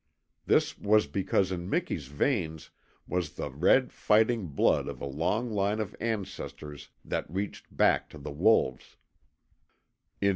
This was because in Miki's veins was the red fighting blood of a long line of ancestors that reached back to the wolves.